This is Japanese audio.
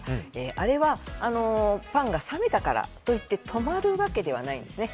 あれはパンが冷めたからといって止まるわけではないんですね。